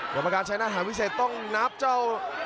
กรรมการใช้อาหารพิเศษต้องนับเจ้า